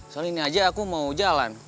soal ini aja aku mau jalan